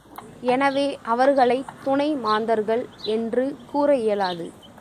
எனவே அவர்களைத் துணை மாந்தர்கள் என்று கூற இயலாது.